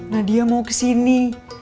nadia mau kesini